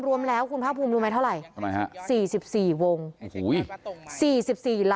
รวมแล้วคุณพระภูมิรู้ไหมเท่าไหร่